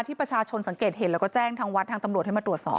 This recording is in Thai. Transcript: ที่ประชาชนสังเกตเห็นแล้วก็แจ้งทางวัดทางตำรวจให้มาตรวจสอบ